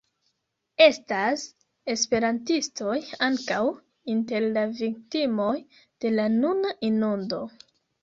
Estas esperantistoj ankaŭ inter la viktimoj de la nuna inundo.